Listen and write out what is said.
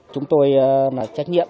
chúng tôi là trách nhiệm